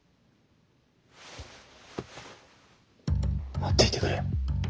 待っていてくれ。